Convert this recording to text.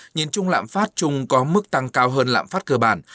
nhìn chung lạm phát chung có mức tăng cao hơn lạm phát cơ bản